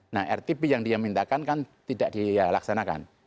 nah rtb yang dia mintakan kan tidak dilaksanakan